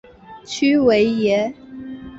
屈维耶。